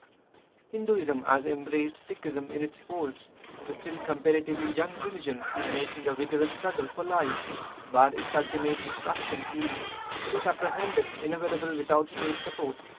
Hinduism has embraced Sikhism in its folds ; the still comparatively young religion is making a vigorous struggle for life, but its ultimate destruc tion is, it is apprehended, inevitable without State support.